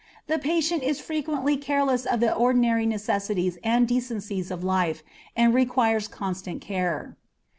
The patient is frequently careless of the ordinary necessities and decencies of life, and requires constant care.